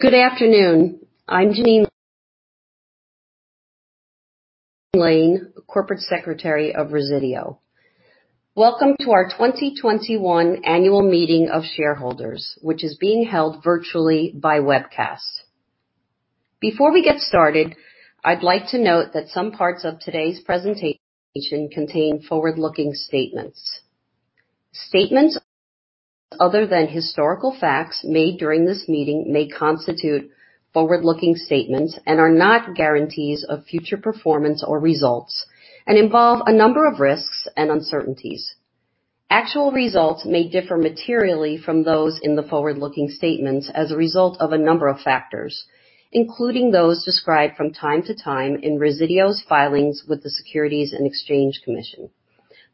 Good afternoon. I'm Jeannine Lane, Corporate Secretary of Resideo. Welcome to our 2021 annual meeting of shareholders, which is being held virtually by webcast. Before we get started, I'd like to note that some parts of today's presentation contain forward-looking statements. Statements other than historical facts made during this meeting may constitute forward-looking statements and are not guarantees of future performance or results, and involve a number of risks and uncertainties. Actual results may differ materially from those in the forward-looking statements as a result of a number of factors, including those described from time to time in Resideo's filings with the Securities and Exchange Commission.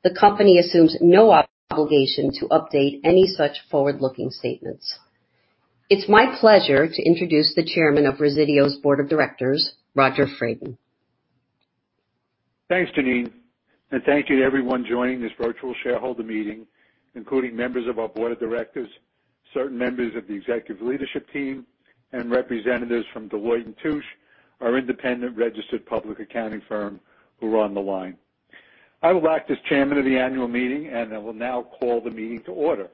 The company assumes no obligation to update any such forward-looking statements. It's my pleasure to introduce the chairman of Resideo's Board of Directors, Roger Fradin. Thanks, Jeannine, and thank you to everyone joining this virtual shareholder meeting, including members of our board of directors, certain members of the executive leadership team, and representatives from Deloitte & Touche LLP, our independent registered public accounting firm, who are on the line. I will act as chairman of the annual meeting, and I will now call the meeting to order.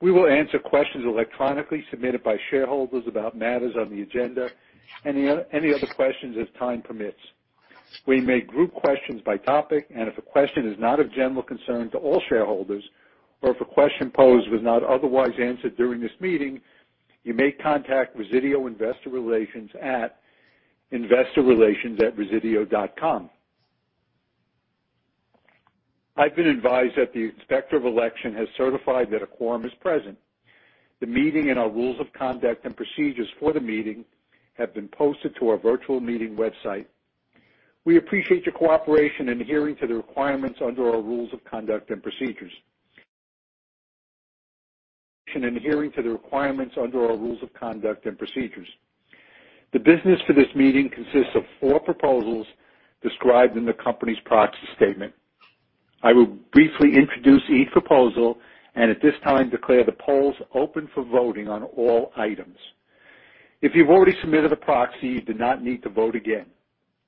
We will answer questions electronically submitted by shareholders about matters on the agenda, any other questions as time permits. We may group questions by topic, and if a question is not of general concern to all shareholders or if a question posed was not otherwise answered during this meeting, you may contact Resideo investor relations at investorrelations@resideo.com. I've been advised that the inspector of election has certified that a quorum is present. The meeting and our rules of conduct and procedures for the meeting have been posted to our virtual meeting website. We appreciate your cooperation in adhering to the requirements under our rules of conduct and procedures. The business for this meeting consists of four proposals described in the company's proxy statement. I will briefly introduce each proposal and at this time declare the polls open for voting on all items. If you've already submitted a proxy, you do not need to vote again.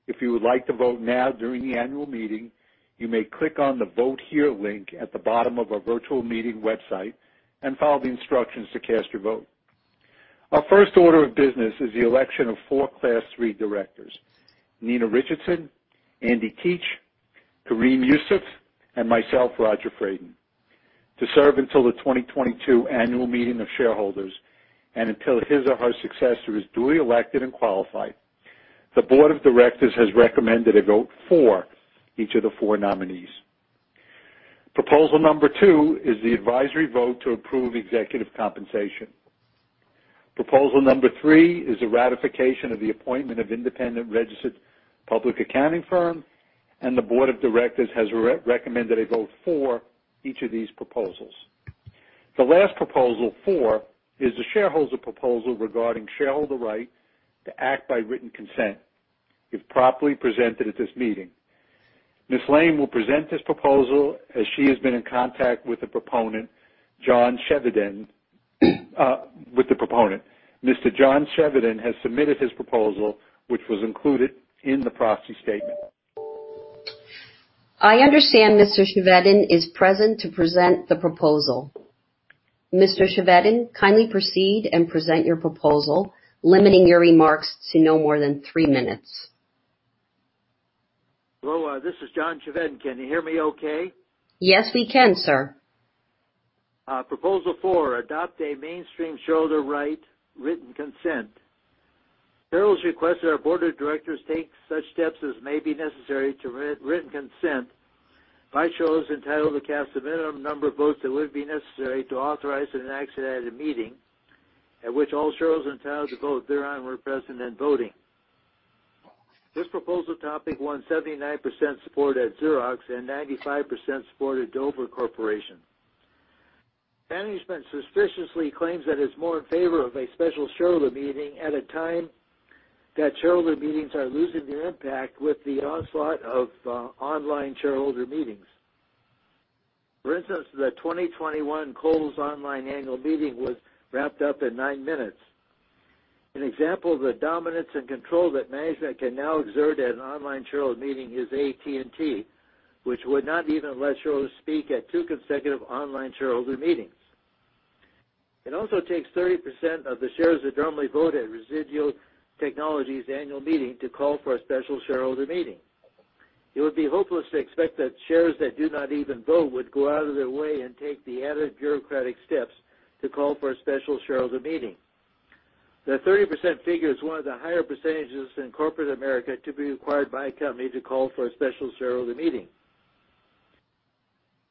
If you would like to vote now during the annual meeting, you may click on the Vote Here link at the bottom of our virtual meeting website and follow the instructions to cast your vote. Our first order of business is the election of four Class III directors, Nina Richardson, Andy Teich, Kareem Yusuf, and myself, Roger Fradin, to serve until the 2022 annual meeting of shareholders and until his or her successor is duly elected and qualified. The board of directors has recommended a vote for each of the four nominees. Proposal number 2 is the advisory vote to approve executive compensation. Proposal number 3 is the ratification of the appointment of independent registered public accounting firm, and the board of directors has recommended a vote for each of these proposals. The last proposal, 4, is the shareholder proposal regarding shareholder right to act by written consent if properly presented at this meeting. Ms. Lane will present this proposal as she has been in contact with the proponent, John Chevedden. Mr. John Chevedden has submitted his proposal, which was included in the proxy statement. I understand Mr. Chevedden is present to present the proposal. Mr. Chevedden, kindly proceed and present your proposal, limiting your remarks to no more than three minutes. Hello, this is John Chevedden. Can you hear me okay? Yes, we can, sir. Proposal 4, adopt a mainstream shareholder right, written consent. Shareholders request our board of directors take such steps as may be necessary to written consent by shareholders entitled to cast the minimum number of votes that would be necessary to authorize an action at a meeting at which all shareholders entitled to vote thereon were present and voting. This proposal topic won 79% support at Xerox and 95% support at Dover Corporation. Management suspiciously claims that it's more in favor of a special shareholder meeting at a time that shareholder meetings are losing their impact with the onslaught of online shareholder meetings. For instance, the 2021 Kohl's online annual meeting was wrapped up in nine minutes. An example of the dominance and control that management can now exert at an online shareholder meeting is AT&T, which would not even let shareholders speak at two consecutive online shareholder meetings. It also takes 30% of the shares that normally vote at Resideo Technologies' annual meeting to call for a special shareholder meeting. It would be hopeless to expect that shareholders that do not even vote would go out of their way and take the added bureaucratic steps to call for a special shareholder meeting. The 30% figure is one of the higher percentages in corporate America to be required by a company to call for a special shareholder meeting.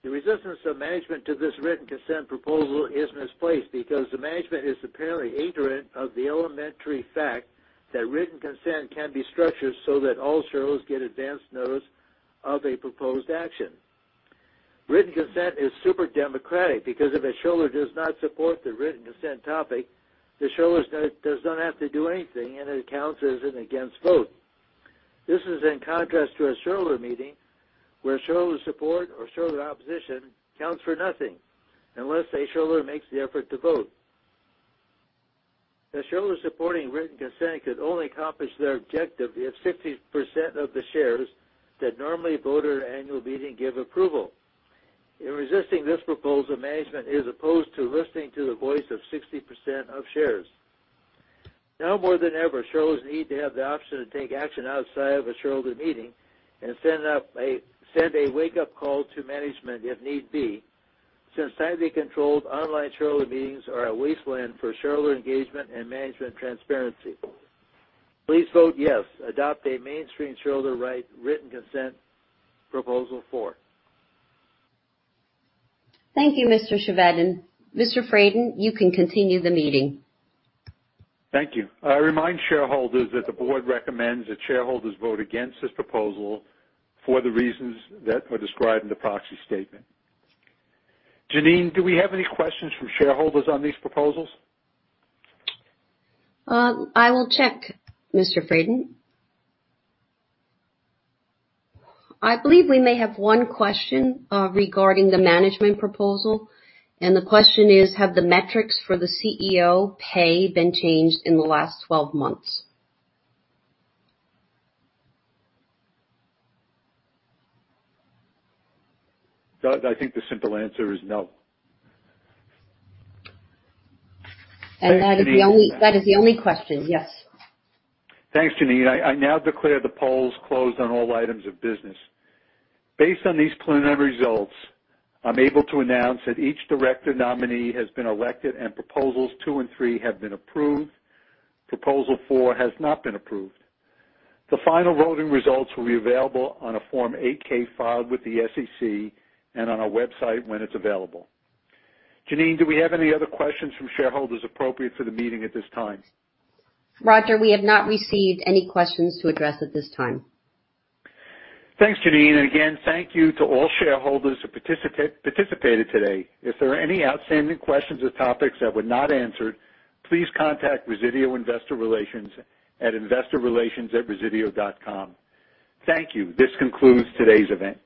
The resistance of management to this written consent proposal is misplaced because the management is apparently ignorant of the elementary fact that written consent can be structured so that all shareholders get advanced notice of a proposed action. Written consent is super democratic because if a shareholder does not support the written consent topic, the shareholder does not have to do anything and it counts as an against vote. This is in contrast to a shareholder meeting where shareholder support or shareholder opposition counts for nothing unless a shareholder makes the effort to vote. A shareholder supporting written consent could only accomplish their objective if 60% of the shares that normally vote at an annual meeting give approval. In resisting this proposal, management is opposed to listening to the voice of 60% of shares. Now more than ever, shareholders need to have the option to take action outside of a shareholder meeting and send a wake-up call to management if need be, since tightly-controlled online shareholder meetings are a wasteland for shareholder engagement and management transparency. Please vote yes. Adopt a mainstream shareholder right written consent proposal 4. Thank you, Mr. Chevedden. Mr. Fradin, you can continue the meeting. Thank you. I remind shareholders that the board recommends that shareholders vote against this proposal for the reasons that were described in the proxy statement. Jeannine, do we have any questions from shareholders on these proposals? I will check, Mr. Fradin. I believe we may have one question regarding the management proposal, and the question is: Have the metrics for the CEO pay been changed in the last 12 months? I think the simple answer is no. That is the only question. Yes. Thanks, Jeannine. I now declare the polls closed on all items of business. Based on these preliminary results, I'm able to announce that each director nominee has been elected and proposals 2 and 3 have been approved. Proposal 4 has not been approved. The final voting results will be available on a Form 8-K filed with the SEC and on our website when it's available. Jeannine, do we have any other questions from shareholders appropriate for the meeting at this time? Roger, we have not received any questions to address at this time. Thanks, Jeannine. Again, thank you to all shareholders who participated today. If there are any outstanding questions or topics that were not answered, please contact Resideo Investor Relations at investorrelations@resideo.com. Thank you. This concludes today's event.